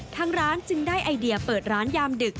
ทางร้านจึงได้ไอเดียเปิดร้านยามดึก